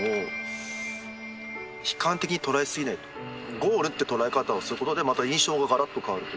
ゴールって捉え方をすることでまた印象ががらっと変わると。